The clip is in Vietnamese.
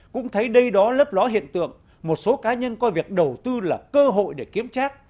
cũng thấy đây đó lớp ló hiện tượng một số cá nhân coi việc đầu tư là cơ hội để kiếm trác